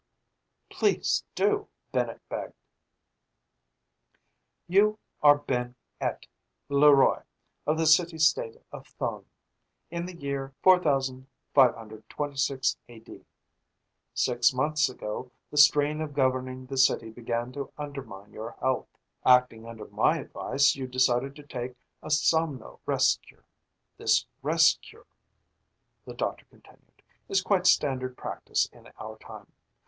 "Please do," Bennett begged. "You are Benn Ett, Le Roy of the city state of Thone, in the year 4526 A. D. Six months ago, the strain of governing the city began to undermine your health. Acting under my advice, you decided to take a somno rest cure. "This rest cure," the doctor continued, "is quite standard practice in our time.